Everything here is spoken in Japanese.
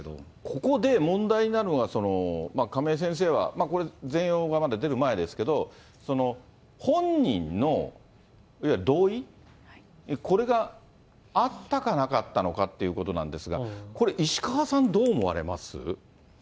ここで問題になるのが、亀井先生は、これ、全容がまだ出る前ですけど、本人のいわゆる同意、これがあったかなかったのかということなんですが、これ、石川さん、どう思われます？